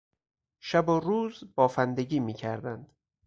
شب و روز بافندگی میکردند.